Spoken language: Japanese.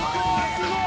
すごい！